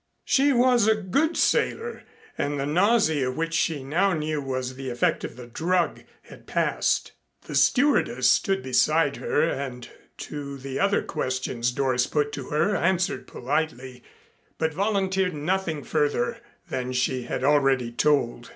She was a good sailor and the nausea, which she now knew was the effect of the drug, had passed. The stewardess stood beside her and to the other questions Doris put to her answered politely, but volunteered nothing further than she had already told.